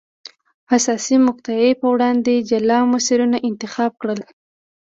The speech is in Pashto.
حساسې مقطعې په وړاندې جلا مسیرونه انتخاب کړل.